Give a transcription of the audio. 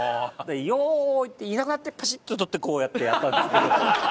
「用意」っていなくなってパシッと撮ってこうやってやったんですけど。